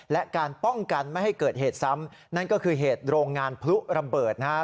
และการป้องกันไม่ให้เกิดเหตุซ้ำนั่นก็คือเหตุโรงงานพลุระเบิดนะฮะ